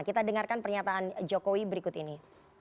kita dengarkan pernyataan jokowi berikut ini